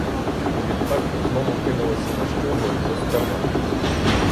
Відтак знову кинулися на щогли й до стерна.